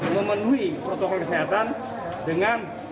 lompasannya akan diangkat